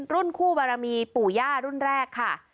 รุ่นคู่บารมีปู่ย่ารุ่นแรกค่ะ